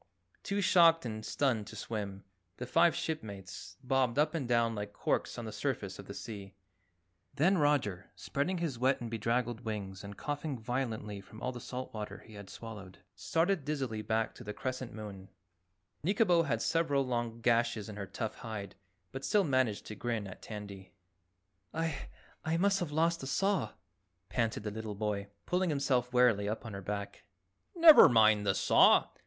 Too shocked and stunned to swim, the five shipmates bobbed up and down like corks on the surface of the sea. Then Roger, spreading his wet and bedraggled wings and coughing violently from all the salt water he had swallowed, started dizzily back to the Crescent Moon. Nikobo had several long gashes in her tough hide, but still managed to grin at Tandy. "I I must have lost the saw," panted the little boy, pulling himself wearily up on her back. "Never mind the saw.